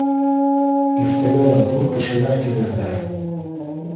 Иртәгә лә ҙур кешеләр килерҙәр.